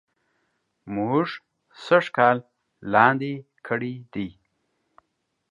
مونږ سږ کال لاندي کړي دي